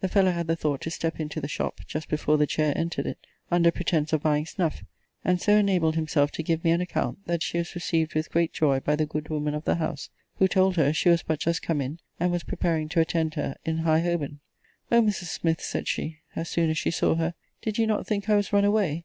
The fellow had the thought to step into the shop, just before the chair entered it, under pretence of buying snuff; and so enabled himself to give me an account, that she was received with great joy by the good woman of the house; who told her, she was but just come in; and was preparing to attend her in High Holborn. O Mrs. Smith, said she, as soon as she saw her, did you not think I was run away?